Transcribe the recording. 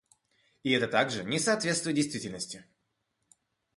И это также не соответствует действительности.